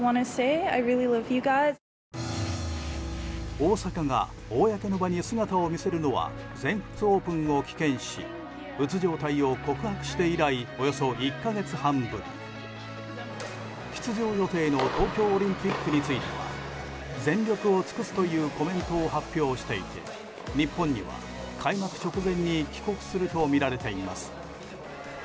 大坂が公の場に姿を見せるのは全仏オープンを棄権しうつ状態を告白して以来およそ１か月半ぶり出場予定の東京オリンピックについては全力を尽くすというコメントを発表していて、日本には開幕直前に帰国するとみられています。